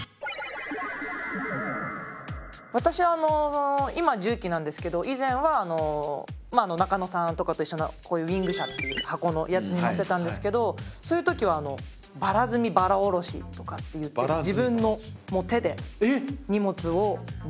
私は今重機なんですけど以前は中野さんとかと一緒のこういうウィング車っていう箱のやつに乗ってたんですけどそういう時はバラ積みバラ降ろしとかっていってそうですね。